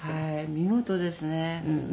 見事ですね。